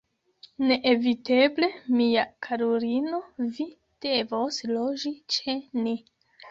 Neeviteble, mia karulino, vi devos loĝi ĉe ni.